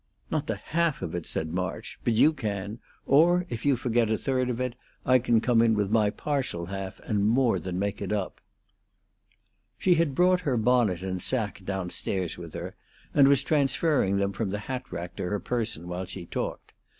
"Not the half of it," said March. "But you can; or if you forget a third of it, I can come in with my partial half and more than make it up." She had brought her bonnet and sacque down stairs with her, and was transferring them from the hatrack to her person while she talked.